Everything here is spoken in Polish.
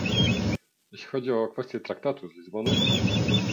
Jeśli chodzi o kwestię traktatu z Lizbony